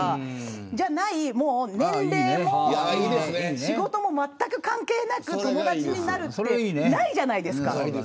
そうじゃない、年齢も仕事もまったく関係なく友達になることないじゃないですか。